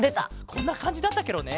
こんなかんじだったケロね。